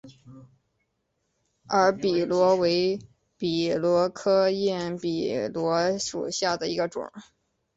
耳笔螺为笔螺科焰笔螺属下的一个种。